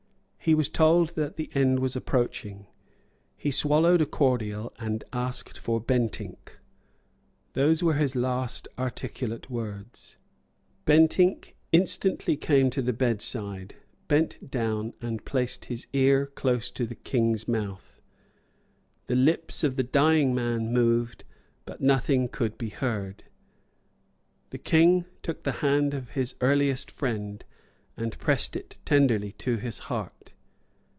He was told that the end was approaching. He swallowed a cordial, and asked for Bentinck. Those were his last articulate words. Bentinck instantly came to the bedside, bent down, and placed his ear close to the King's mouth. The lips of the dying man moved; but nothing could be heard. The King took the hand of his earliest friend, and pressed it tenderly to his heart.